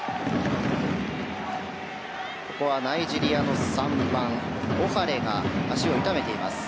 ナイジェリアの３番、オハレが足を痛めています。